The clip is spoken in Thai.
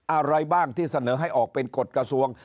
อะไรบ้างที่เสนอให้ออกเป็นกฎกระทรวง